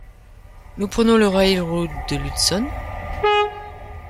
Nous prenons le rail-road de l’Hudson ?